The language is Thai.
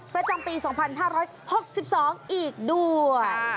ประจำปี๒๕๖๒อีกด้วย